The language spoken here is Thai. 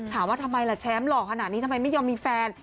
ถามว่าทำไมล่ะแชมป์หล่อขนาดนี้ทำไมไม่ยอมมีแฟน